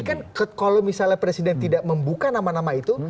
tapi kan kalau misalnya presiden tidak membuka nama nama itu